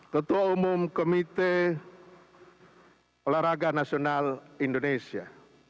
ketua umum komite olahraga nasional indonesia